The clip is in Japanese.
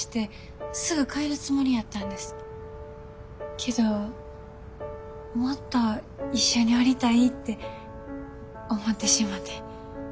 けどもっと一緒におりたいって思ってしもて。